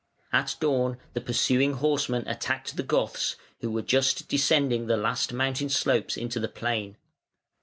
At dawn the pursuing horsemen attacked the Goths, who were just descending the last mountain slopes into the plain.